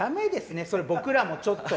それ僕らもちょっと。